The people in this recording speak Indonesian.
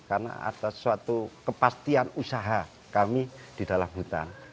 karena ada suatu kepastian usaha kami di dalam hutan